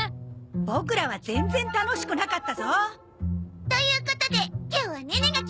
ボクらは全然楽しくなかったぞ。ということで今日はネネが決める番よ！